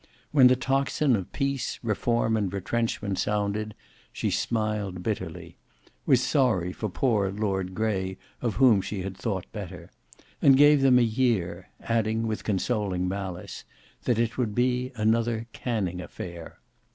When the tocsin of peace, reform, and retrenchment sounded, she smiled bitterly; was sorry for poor Lord Grey of whom she had thought better, and gave them a year, adding with consoling malice, "that it would be another Canning affair."